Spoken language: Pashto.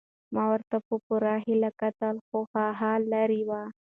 ما ورته په پوره هیله کتل خو هغه لیرې وه.